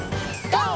ＧＯ！